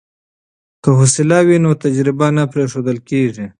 که حوصله وي نو تجربه نه پریښودل کیږي.